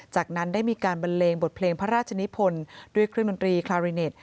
จากนั้นได้มีการบันเลงบทเพลงพระราชนิพลด้วยเครื่องดนตรีคาริเน็ต